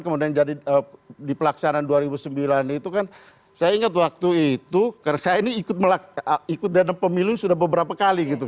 kemudian jadi di pelaksanaan dua ribu sembilan itu kan saya ingat waktu itu karena saya ini ikut dalam pemilu sudah beberapa kali gitu